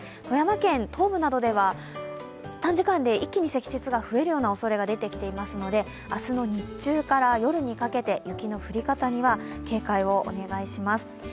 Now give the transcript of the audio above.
富山県東部などでは短時間で一気に積雪が増えるおそれが出てきているので、明日の日中から夜にかけて雪の降り方には警戒をお願いします。